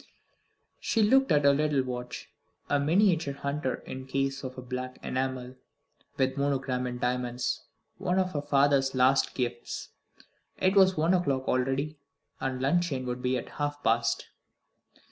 She looked at her little watch a miniature hunter in a case of black enamel, with a monogram in diamonds, one of her father's last gifts. It was one o'clock already, and luncheon would be at half past.